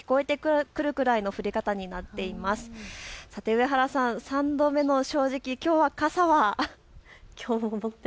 上原さん、３度目の正直、きょうは傘は？